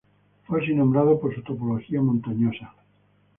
Fue así nombrado por su topología montañosa.